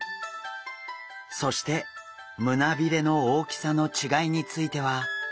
そして胸びれの大きさの違いについては。